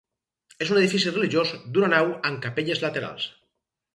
És un edifici religiós d'una nau amb capelles laterals.